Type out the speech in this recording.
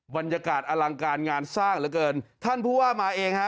บรรยากาศอลังการงานสร้างเหลือเกินท่านผู้ว่ามาเองฮะ